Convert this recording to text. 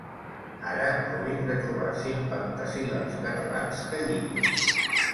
Ara provin de trobar cinc pentasíl·labs catalans que lliguin.